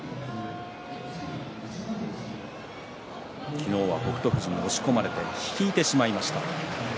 昨日は北勝富士に押し込まれて引いてしまいました。